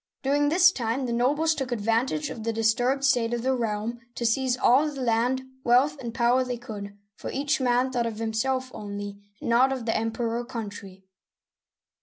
During this time, the nobles took advantage of the disturbed state of the realm to seize all the land, wealth, and power they could, for each man thought of himself only, and not of the Emperor or country.